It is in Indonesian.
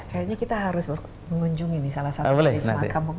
kayaknya kita harus mengunjungi nih salah satu smart kampung